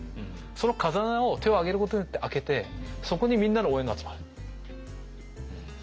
その風穴を手を挙げることによって開けてそこにみんなの応援が集まる。